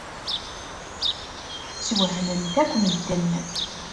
Teswehmemt akk medden.